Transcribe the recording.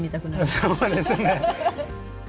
そうですね。